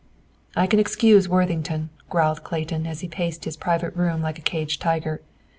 "I can excuse Worthington," growled Clayton, as he paced his private room like a caged tiger.